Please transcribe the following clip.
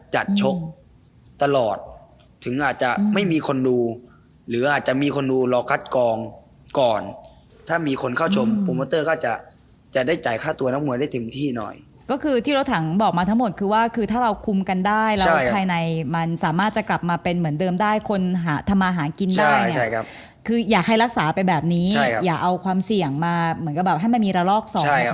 ชกตลอดถึงอาจจะไม่มีคนดูหรืออาจจะมีคนดูรอคัดกองก่อนถ้ามีคนเข้าชมโปรโมเตอร์ก็จะจะได้จ่ายค่าตัวนักมวยได้เต็มที่หน่อยก็คือที่รถถังบอกมาทั้งหมดคือว่าคือถ้าเราคุมกันได้แล้วภายในมันสามารถจะกลับมาเป็นเหมือนเดิมได้คนหาทำมาหากินได้ใช่ครับคืออยากให้รักษาไปแบบนี้อย่าเอาความเสี่ยงมาเหมือนกับแบบให้มันมีระลอกสองใช่ครับ